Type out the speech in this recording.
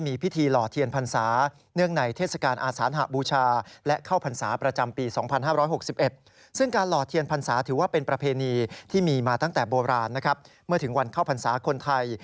เมื่อถึงวันเข้าพรรษาคนไทย